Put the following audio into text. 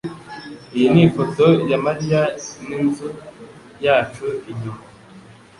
Iyi ni ifoto ya Mariya n'inzu yacu inyuma